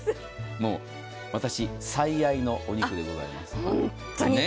もう私、最愛のお肉でございます。